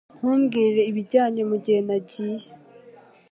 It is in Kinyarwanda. Ntumbwire ibyanjye mugihe nagiye